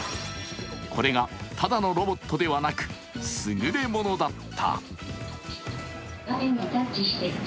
これがただのロボットではなく、すぐれものだった。